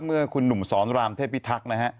เมื่อคุณหนุ่มสอนรามเทพิทักษ์นะฮะ